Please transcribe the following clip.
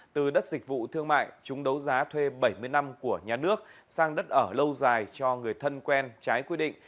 từ đất dịch vụ thương mại chúng đấu giá thuê bảy mươi năm của nhà nước sang đất ở lâu dài cho người thân quen trái quy định